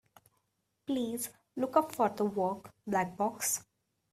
Please look up for the work, Black Box.